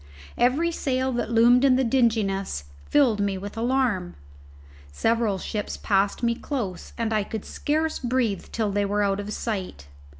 Every sail that loomed in the dinginess filled me with alarm. Several ships passed me close, and I could scarce breathe till they were out of sight.